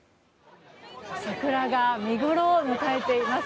桜が見ごろを迎えています。